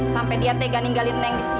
sampai dia tega ninggalin neng di sini